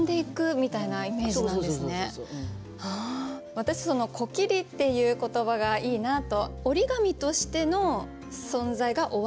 私「こきり」っていう言葉がいいなと。